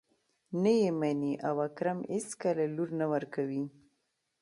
نه يې مني او اکرم اېڅکله لور نه ورکوي.